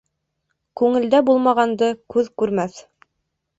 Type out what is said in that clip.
Күңелдә булмағанды күҙ күрмәҫ.